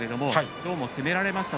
今日も攻められました。